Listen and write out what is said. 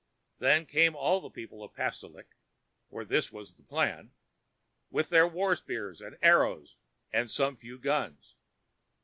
Then came all the people of Pastolik, (for this was the plan), with their war spears, and arrows, and some few guns.